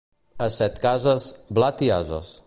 A Setcases, blat i ases.